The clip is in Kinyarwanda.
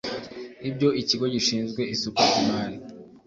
Ibyo Ikigo gishinzwe isoko ry imari